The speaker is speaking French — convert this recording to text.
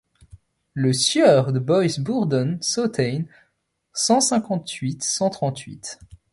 Le sieur de Boys-Bourredon Sotain cent cinquante-six cent trente-huit.